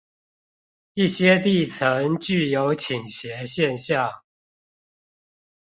一些地層具有傾斜現象